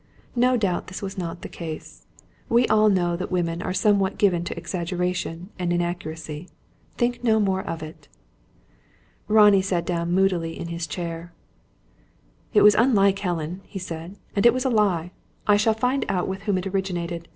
No doubt this was not the case. We all know that women are somewhat given to exaggeration and inaccuracy. Think no more of it." Ronnie sat down moodily in his chair. "It was unlike Helen," he said, "and it was a lie. I shall find out with whom it originated.